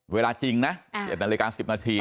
เวลาจริงนะ๗นาฬิกา๑๐นาที